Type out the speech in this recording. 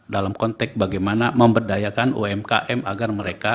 dalam konteks bagaimana memberdayakan umkm agar mereka